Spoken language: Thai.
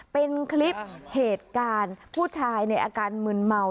เป็นคลิปเหตุการณ์ผู้ชายในอาการมึนเมา